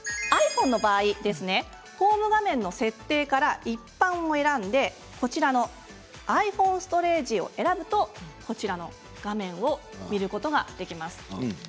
ｉＰｈｏｎｅの場合はホーム画面の設定から一般を選んでｉＰｈｏｎｅストレージを選ぶと右側の画面を見ることができます。